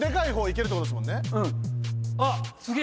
あっすげえ！